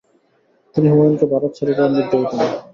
তিনি হুমায়ূনকে ভারত ছেড়ে যাওয়ার নির্দেশ দেন।